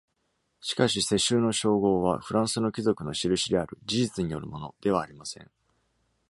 しかし、世襲の称号は、フランスの貴族のしるしである「事実によるもの」ではありません。